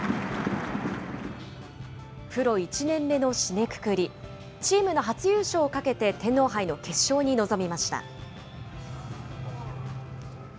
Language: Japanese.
プロ１年目の締めくくり、チームの初優勝をかけて天皇杯の決勝に臨みました。